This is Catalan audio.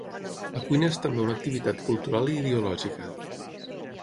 la cuina és també una activitat cultural i ideològica